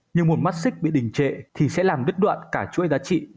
nhưng một mắt xích bị đình trệ thì sẽ làm đứt đoạn cả chuỗi giá trị